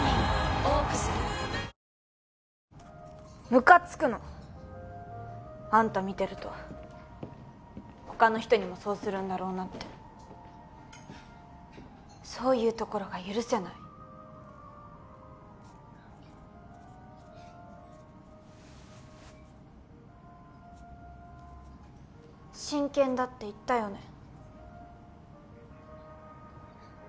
ムカつくのあんた見てると他の人にもそうするんだろうなってそういうところが許せない真剣だって言ったよね？